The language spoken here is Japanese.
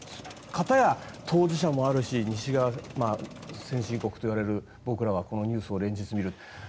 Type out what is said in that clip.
片や、当事者もあるし西側、先進国といわれる僕らはこのニュースを連日見る。